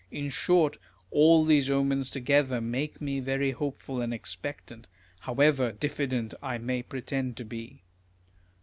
In short, all these omens together make me very hopeful and expectant, however diffident I may pre tend to be.